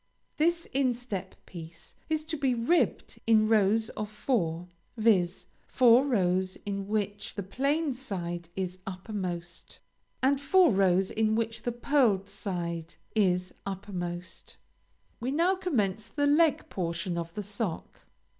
This instep piece is to be ribbed in rows of four, viz: four rows in which the plain side is uppermost, and four rows in which the pearled side is uppermost. We now commence the leg portion of the sock.